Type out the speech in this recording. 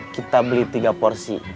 kita beli tiga porsi